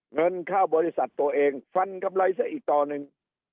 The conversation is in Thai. เงินเข้าบริษัทตัวเองฟันกำไรซะอีกต่อหนึ่ง